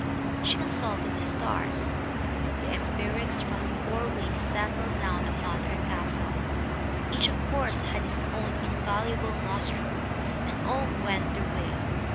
She consulted the stars, and empirics from the four winds settled down upon her castle. Each, of course, had his own invaluable nostrum; and all went their way.